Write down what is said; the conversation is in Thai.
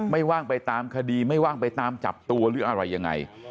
ว่างไปตามคดีไม่ว่างไปตามจับตัวหรืออะไรยังไง